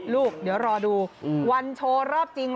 เดี๋ยวรอดูวันโชว์รอบจริง